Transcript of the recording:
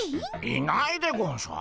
いないでゴンショ？